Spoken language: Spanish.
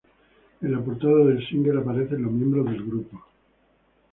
En la portada del single, aparecen los miembros del grupo.